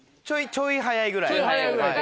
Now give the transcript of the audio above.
ちょい速いぐらいで。